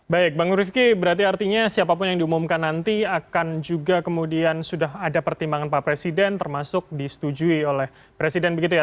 baik bang rifki berarti artinya siapapun yang diumumkan nanti akan juga kemudian sudah ada pertimbangan pak presiden termasuk disetujui oleh presiden begitu ya